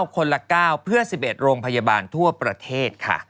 คนละ๙เพื่อ๑๑โรงพยาบาลทั่วประเทศค่ะ